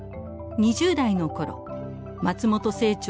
２０代の頃松本清張